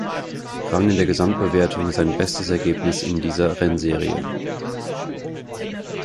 Rang in der Gesamtwertung sein bestes Ergebnis in dieser Rennserie.